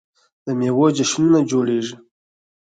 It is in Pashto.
د میوو جشنونه جوړیږي.